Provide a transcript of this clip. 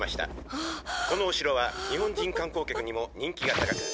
「このお城は日本人観光客にも人気が高く」